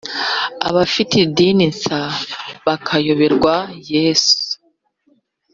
abafite idini nsa, bakayoberwa yesu,